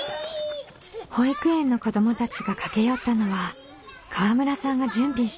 保育園の子どもたちが駆け寄ったのは河村さんが準備した福引き。